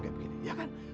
gak begini ya kan